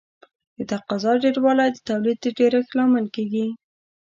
د تقاضا ډېروالی د تولید د ډېرښت لامل کیږي.